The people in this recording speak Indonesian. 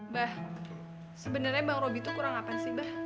bah sebenarnya bang robi tuh kurang apa sih bah